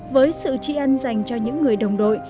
với sự trí ăn dành cho những người đồng đội